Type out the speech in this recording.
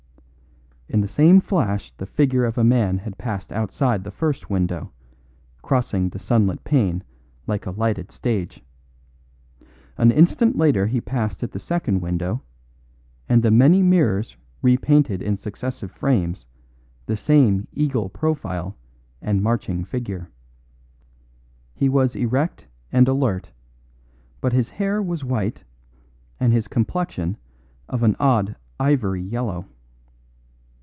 In the same flash the figure of a man had passed outside the first window, crossing the sunlit pane like a lighted stage. An instant later he passed at the second window and the many mirrors repainted in successive frames the same eagle profile and marching figure. He was erect and alert, but his hair was white and his complexion of an odd ivory yellow.